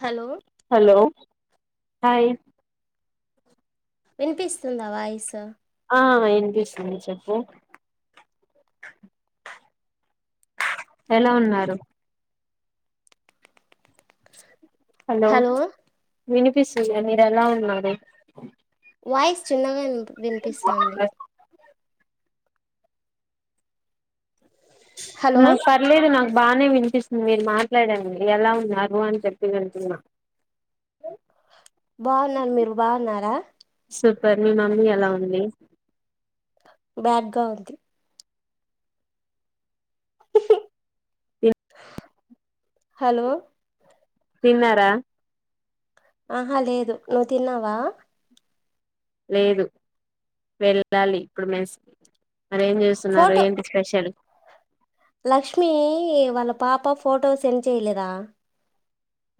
Hello hello hi వినిపిస్తుందా voice ఆ ఇన్నిపిస్తుంది చెప్పు ఎలా ఉన్నారు హలో వినిపిస్తుంది మీరు ఎలా ఉన్నారు వాయిస్ చిన్నగా ఇన్ వి వినిపిస్తుంది హలో నాక్ పర్లేదు నాక్ బానే వినిపిస్తుంది మీరు మాట్లాడేది ఎలా ఉన్నారు అని చెప్పింది అంటున్నా బాగున్నాన్ మీరు బాగున్నారా సూపర్ మీ మమ్మీ ఎలా ఉంది బ్యాగ్ గా ఉంది హలో తిన్నారా ఆహా లేదు నువ్ తిన్నావా లేదు వెళ్ళాలి ఇప్పుడు మెసి మరేం చేస్తున్నారు ఏంటి స్పెషల్ లక్ష్మిఈ వాళ్ళ పాప ఫోటో సెండ్ చేయలేదా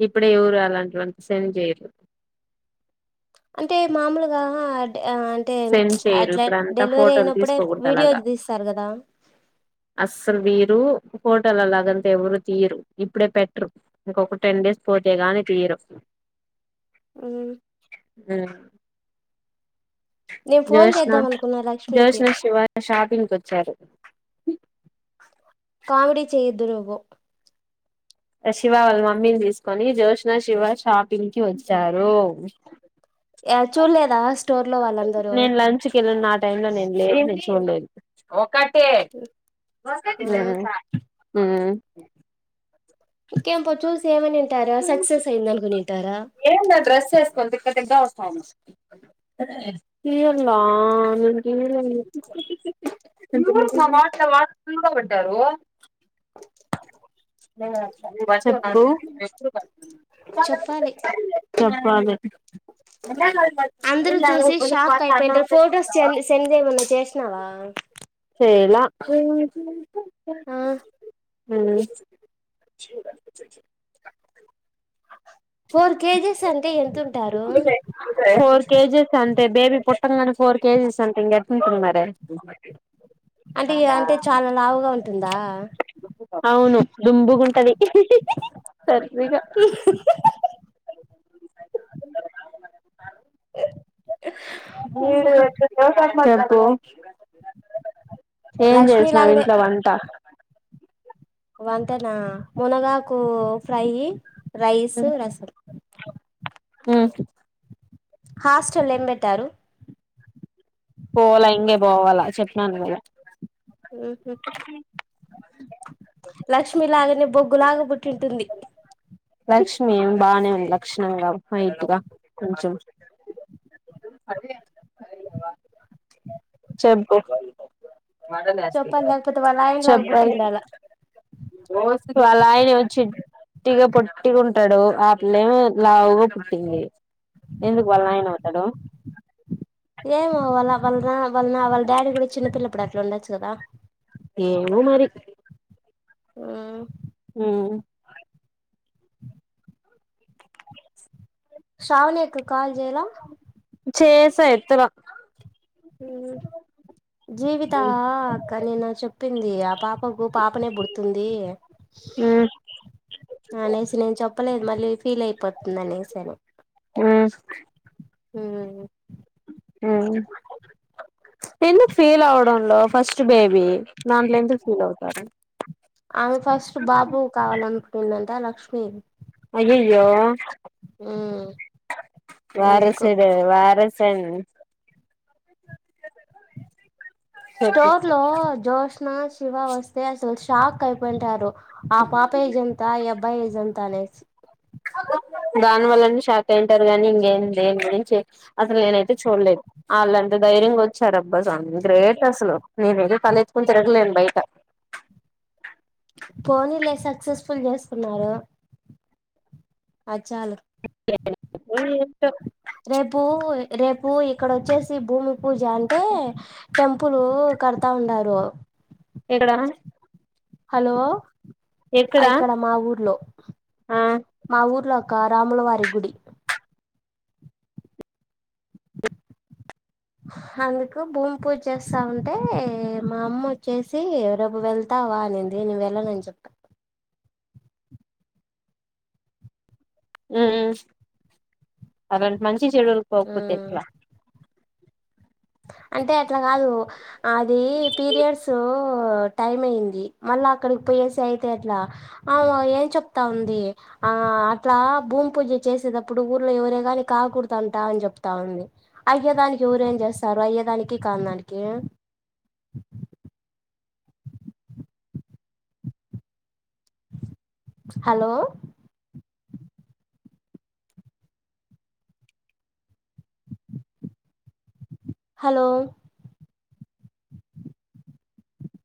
ఇప్పుడు ఎవరు అలాంటి వంత సెండ్ చేయరు అంటే మామూలుగా అంటే సెండ్ చేయరు అట్లా ఇప్పుడు అంతా డెలివరీ ఫోటోలు అయినప్పుడే వీడియోలు తీస్తారు గదా అసలు బీర్ ఇపుడు ఫోటోలగా అంటే ఎవరు తీయరు ఇప్పుడే పెట్టరు ఇంకొక టెన్ డేస్ పోతే గానీ తీయర్ ఉ మ్మ్ నేను ఫోన్ జోష్న చేద్దాం అనుకున్నా లక్ష్మికి జోష్న శివ షాపింగ్ కొ సరే కామెడీ చేయద్దు నువ్వు శివ వాళ్ళ మమ్మీని తీసుకొని జ్యోష్న శివ షాపింగ్ కి వచ్చారు య చుడ్లేదా నేను లంచ్ కెళ్ళిన ఆ టైం లో నేన్ లేను చూడలేదు ఆ ఉమ్ ఉమ్ ఇంకేంపోచు సేమ్ అనింటారు సక్సెస్ అయిందనుకొని ఎందీ ఆ డ్రెస్ ఏసుకొని తిక్కతిక్క గా వస్తా [unintelligible] సిమ్ వెట్టారు బస్ ఎప్పుడు చెప్పాలి వాళ్లే అందరూ చూసి షాక్ అయిపోయింటారు ఫొటోస్ సెన్ సెండ్ చేమన్నా చేసినావా చేయిలా ఆహ్ ఉమ్ ఫోర్ కేజస్ అంటే ఎతుంటారు అంటే బేబీ పుట్టగానె ఫోర్ కేజీస్ అంటే ఇంగ ఎట్ంటున్నారె అంటే ఈ అంటే చాలా లావుగా ఉంటుందా అవును డుమ్బుగుంటది సర్ [unintelligible] చెప్పు ఏం లక్ష్మీ చేసినవ్ ఇంట్ల వంట వంటన మునగాకు ఫ్రై రైస్ రసం ఉమ్ హాస్టలేం బెట్టారు పోవ్ల ఇంగే పోవాలా చెప్పినను కదా ఉహు లక్ష్మీ లాగనే బొగ్గులాగ బుట్ లక్ష్మీం బానే లక్షణంగా వైట్గా కొంచం చెప్పు చెప్పాలి లేకపోతే వాళ్ళ ఆయన లాగా చెప్పాలి పుట్టిండాల వాళ్ళయనే వచ్చి ట్టిగా పొట్టిగా ఉంటాడు ఆపిల్లేమి లావుగా పుట్టింది ఎందుకు వల నైనా ఉతడు ఏమో వాళ్ళ వాళ్ళన వల్న్ వాళ్ళ డాడీ కూడా చిన్నపిల్లప్పుడు అట్లా ఉండొచ్చు కదా ఏమో మరి అ ఉహుం శ్రావణి అక్కకాల్ చేయలా చేస ఎత్తల ఉ జీవిత అక్క నేన చెప్ చెప్పింది ఆ పాపకు పాపనే పుడుతుంది ఉమ్ అనేసి నేన్ చెప్పలేదు మళ్ళీ ఫీల్ అయిపోతుంద అనేసని ఉమ్ ఉమ్మ్ ఉమ్ ఎందుకు ఫీలవడంలో ఫస్ట్ బేబీ దాంట్లో ఎందుకు ఫీల్ అవుతారు ఆమె ఫస్ట్ బాబు కావాలనుకుందంట లక్ష్మీ అయ్యాయో మ్మ్ అందుకు వారేసుడు వారసన్ చెప్పు స్టోర్లో జోస్నా, శివ వస్తే అసల్ షాక్ అయిపోంటారు. ఆ పాప ఏజ్ ఎంత ఈ అబ్బాయి ఏజ్ ఎంత అనేస్ దానివల్లనే షాక్ అయింటారు గానీ ఇంగేం దేన్ గురించి అసల్ నేనైతే చూడ్లేదు ఆళ్ళంద ధైర్యంగా వచ్చారప్ అబ్బ సామి గ్రేట్ అసలు నేను ఏదో తలెత్తుకుని తిరగలేను బయట పోనీలే సక్సెస్ఫుల్ చేసుకున్నారు అచ్చాలు బ్లాంక్ [unintelligible] రేపూ రేపూ ఇక్కడ వచ్చేసి భూమి పూజ అంటే టెంపులూ కడ్త ఉన్నారూ [unintelligible] హలో ఎక్కడ ఇక్కడ మా ఊర్లో ఆ మా ఊర్లో ఆ కార్ రాములవారి గుడి. ఉఫ్ఫ్ అందుకు భూమ్ పూజ చేస్తా ఉంటే మా అమ్మ వోచ్చేసి రైపు వెళ్తావా అనిం ది వెళ్ళనన్ చెప్ప మ్ అలాంటి మంచి చెడులక్ పోక్పోతే ఎట్లా ప్తయ అంటే అట్ల కాదు అది పిరియడ్సూ టైంమైయింది. మళ్ళ అక్కడ పీరియడ్ అయితే ఎట్లా ఆమా ఏం చెప్తా ఉంది ఆ అట్లా భూమ్ పూజ చేసే టప్పుడు ఊర్లో ఎవరే గాని కాకూడ్దంటా అని చెప్తా ఉంది. అయ్యేదానికి దానికి ఎవరేం చేస్ స్తారు అయ్యేదానికి కాన్దానికి హలో హలో!